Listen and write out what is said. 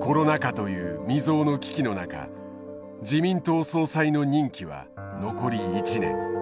コロナ禍という未曽有の危機の中自民党総裁の任期は残り１年。